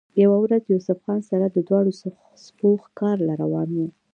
يوه ورځ يوسف خان سره د دواړو سپو ښکار له روان وۀ